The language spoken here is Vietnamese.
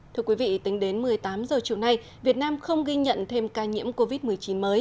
thưa quý vị tính đến một mươi tám h chiều nay việt nam không ghi nhận thêm ca nhiễm covid một mươi chín mới